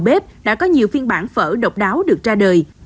bếp đã có nhiều phiên bản phở độc đáo được ra đời